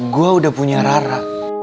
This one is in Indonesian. gua udah punya rara